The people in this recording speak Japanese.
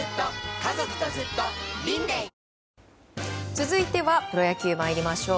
続いてはプロ野球、参りましょう。